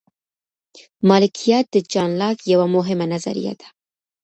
مالکیت د جان لاک یوه مهمه نظریه ده.